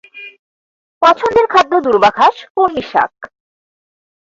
পছন্দের খাদ্য দূর্বাঘাস, কলমি শাক